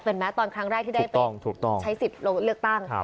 เห็นไหมตอนครั้งแรกที่ได้ตื่นตัวใช้สิทธิ์เลือกตั้ง